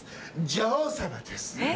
女王様です。